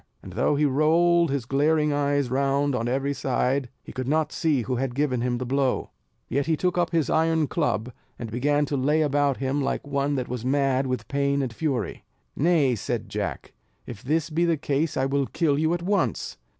And though he rolled his glaring eyes round on every side, he could not see who had given him the blow; yet he took up his iron club, and began to lay about him like one that was mad with pain and fury. "Nay," said Jack, "if this be the case I will kill you at once."